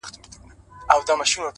ما به د سترگو کټوري کي نه ساتلې اوبه!!